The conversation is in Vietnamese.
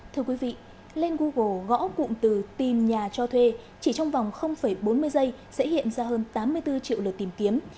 thưa quý vị lên google gõ cụm từ tìm nhà cho thuê chỉ trong vòng bốn mươi giây sẽ hiện ra hơn tám mươi bốn triệu lượt tìm kiếm